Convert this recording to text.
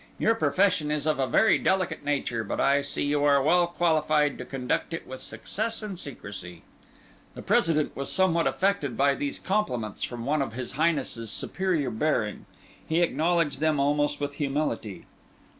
Your profession is of a very delicate nature, but I see you are well qualified to conduct it with success and secrecy." The President was somewhat affected by these compliments from one of his Highness's superior bearing. He acknowledged them almost with humility.